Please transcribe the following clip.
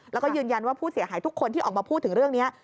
แล้วก็ยืนยันว่าผู้เสียหายทุกคนที่ออกมาพูดถึงเรื่องนี้